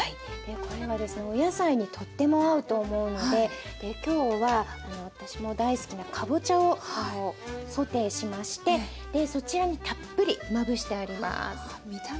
これはですねお野菜にとっても合うと思うので今日は私も大好きなかぼちゃをソテーしましてそちらにたっぷりまぶしてあります。